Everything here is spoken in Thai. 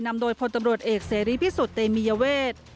นำโดยพลตำรวจเอกเสรีพิสุทธิ์เตมียเวท